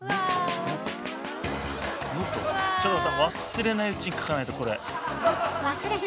忘れないうちに書かないとこれ。